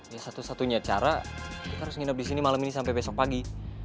ya satu satunya cara kita harus nginep disini malem ini sampe besok pagi